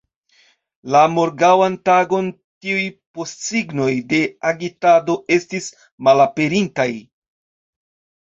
La morgaŭan tagon tiuj postsignoj de agitado estis malaperintaj.